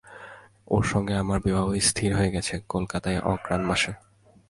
এঁর সঙ্গে আমার বিবাহ স্থির হয়ে গেছে, কলকাতায় অঘ্রান মাসে।